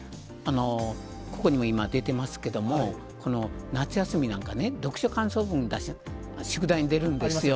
ここにも今、出てますけども、この夏休みなんかね、読書感想文、宿題に出るんですよ。